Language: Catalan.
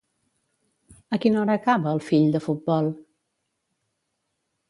A quina hora acaba el fill de futbol?